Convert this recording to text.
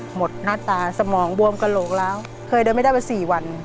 หมดหน้าตาสมองบวมกระโหลกแล้วเคยเดินไม่ได้ไป๔วัน